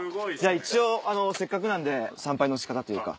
一応せっかくなんで参拝の仕方というか。